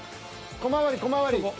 小回り小回り。